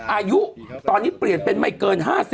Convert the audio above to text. อายุตอนนี้เปลี่ยนเป็นไม่เกิน๕๐